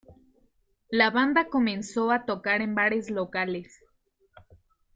La banda comenzó a tocar en bares locales.